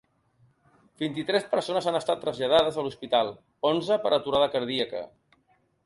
Vint-i-tres persones han estat traslladades a l’hospital, onze per aturada cardíaca.